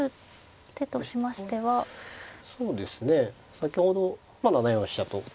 先ほど７四飛車と寄って。